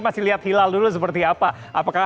masih lihat hilal dulu seperti apa apakah